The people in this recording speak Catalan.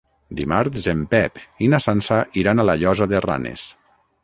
Dimarts en Pep i na Sança iran a la Llosa de Ranes.